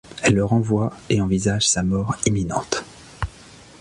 Elle le renvoie et envisage sa mort imminente.